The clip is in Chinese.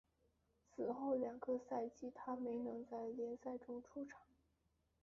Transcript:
此后两个赛季他没能在联赛中出场。